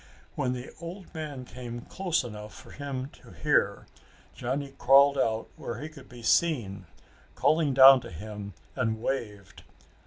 When the old man came close enough for him to hear, Johnny crawled out where he could be seen, called down to him, and waved.